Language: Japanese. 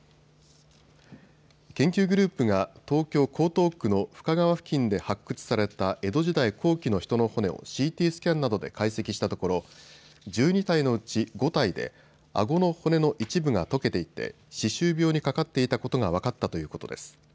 研究グループが東京江東区の深川付近で発掘された江戸時代後期の人の骨をＣＴスキャンなどで解析したところ１２体のうち５体であごの骨の一部が溶けていて歯周病にかかっていたことが分かったということです。